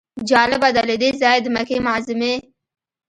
جالبه ده له دې ځایه د مکې معظمې.